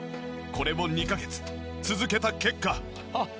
これを２カ月続けた結果。